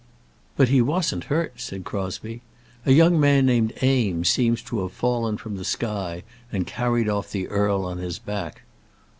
"But he wasn't hurt," said Crosbie. "A young man named Eames seems to have fallen from the sky and carried off the earl on his back."